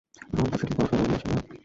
ঋন তো ছেলের পড়াশোনার জন্য নিয়েছি, না?